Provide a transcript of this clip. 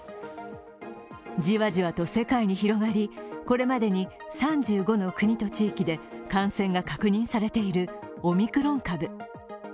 じわじわと世界に広がり、これまでに３５の国と地域で感染が確認されているオミクロン株。